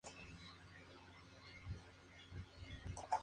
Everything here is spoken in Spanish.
Debe su nombre a su capital, la ciudad de Ferreñafe.